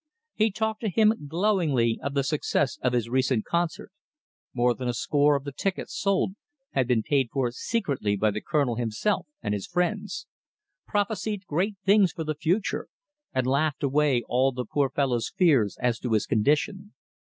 He talked to him glowingly of the success of his recent concert (more than a score of the tickets sold had been paid for secretly by the Colonel himself and his friends), prophesied great things for the future, and laughed away all the poor fellow's fears as to his condition.